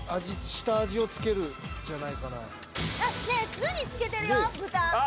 ねえ酢に漬けてるよ豚。